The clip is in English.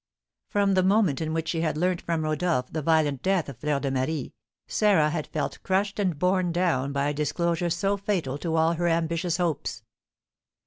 From the moment in which she had learnt from Rodolph the violent death of Fleur de Marie, Sarah had felt crushed and borne down by a disclosure so fatal to all her ambitious hopes.